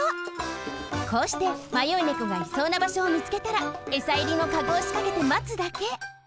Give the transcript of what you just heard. こうしてまよい猫がいそうな場所をみつけたらエサいりのカゴをしかけてまつだけ。